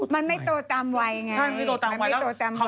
มันจะมีตำราตามตำรา